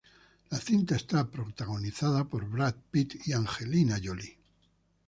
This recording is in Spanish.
La cinta está protagonizada por Brad Pitt y Angelina Jolie.